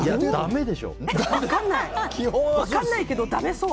分かんないけどだめそう。